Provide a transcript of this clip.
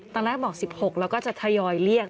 ตอนแรกบอก๑๖แล้วก็จะทยอยเรียก